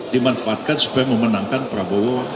dimanfaatkan supaya memenangkan prabowo